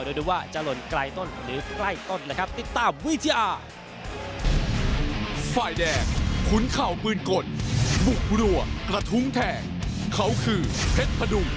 เดี๋ยวดูว่าจะหล่นใกล้ต้นหรือใกล้ต้นนะครับ